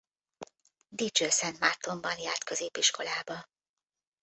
Dicsőszentmártonban járt középiskolába.